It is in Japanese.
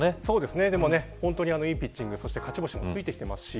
でも本当にいいピッチング勝ち星もついてきてますし。